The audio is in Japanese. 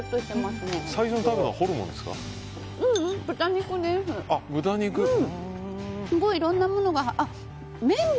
すごい、いろんなものが。